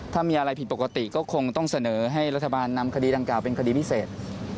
ถ้ามีอะไรผิดปกติก็คงต้องเสนอให้รัฐบาลนำคดีดังกล่าเป็นคดีพิเศษ